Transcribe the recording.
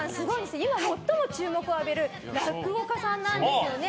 今、最も注目を浴びる落語家さんなんですよね。